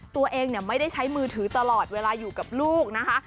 ตัวเองไม่ได้ใช้มือถือตลอดเวลาอยู่กับลูกนะคะ